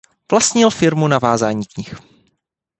Vlastnil firmu na vázání knih.